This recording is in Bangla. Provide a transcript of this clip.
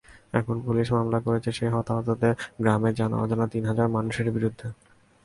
এখন পুলিশ মামলা করেছে সেই হতাহতদের গ্রামের জানা-অজানা তিন হাজার মানুষেরই বিরুদ্ধে।